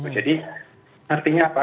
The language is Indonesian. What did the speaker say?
jadi artinya apa